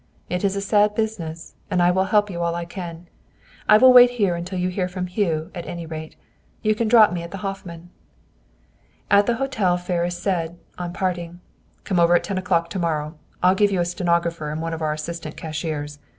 It is a sad business, and I will help you all I can! I will wait here until you hear from Hugh, at any rate. You can drop me at the Hoffman." At the hotel Ferris said, on parting, "Come over at ten o'clock to morrow. I'll give you a stenographer and one of our assistant cashiers.